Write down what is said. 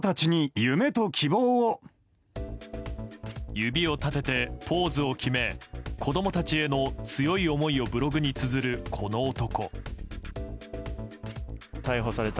指を立ててポーズを決め子供たちへの強い思いをブログにつづる、この男。